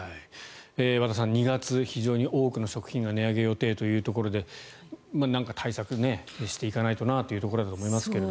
和田さん、２月非常に多くの食品が値上げ予定ということでなんか対策していかないとなというところだと思いますが。